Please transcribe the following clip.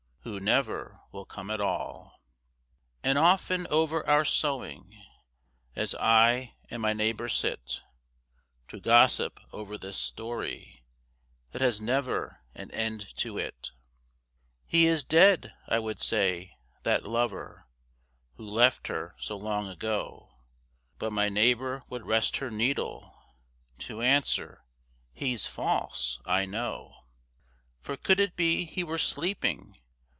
Who never will come at all. And often over our sewing, As I and my neighbour sit To gossip over this story That has never an end to it, "He is dead," I would say, "that lover, Who left her so long ago," But my neighbour would rest her needle To answer, "He's false I know." "For could it be he were sleeping.